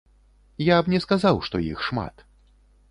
Я б не сказаў, што іх шмат.